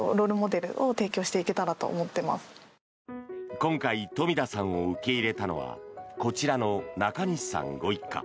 今回富田さんを受け入れたのはこちらの中西さんご一家。